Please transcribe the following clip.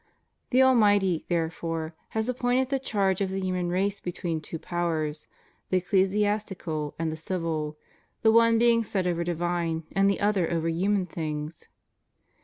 The Almighty, therefore, has appointed the charge of the human race between two powers, the ecclesiastical and the civil, the one being set over divine, and the other over human, things.